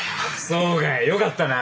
そうかいよかったな。